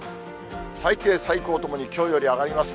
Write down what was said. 最低、最高ともにきょうより上がります。